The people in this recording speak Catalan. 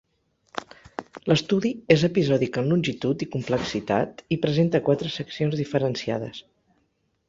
L'estudi és episòdic en longitud i complexitat i presenta quatre seccions diferenciades.